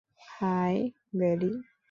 High, Barry.